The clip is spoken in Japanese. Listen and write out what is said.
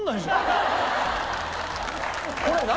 これ何？